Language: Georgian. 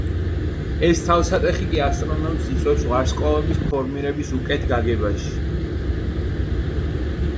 ეს თავსატეხი კი ასტრონომებს იწვევს ვარსკვლავების ფორმირების უკეთ გაგებაში.